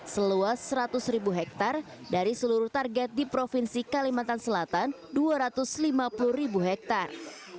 seluas seratus ribu hektare dari seluruh target di provinsi kalimantan selatan dua ratus lima puluh ribu hektare